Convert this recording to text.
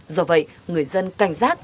do vậy người dân cảnh giác